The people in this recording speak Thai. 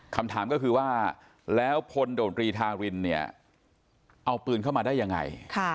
คำถามก็คือว่าแล้วพลโดดตรีทารินเนี่ยเอาปืนเข้ามาได้ยังไง